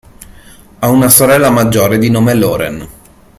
Ha una sorella maggiore di nome Lauren.